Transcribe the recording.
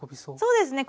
そうですね。